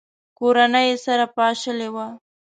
کورنۍ یې سره پاشلې وه.